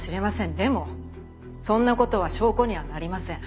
でもそんな事は証拠にはなりません。